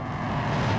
ya allah tika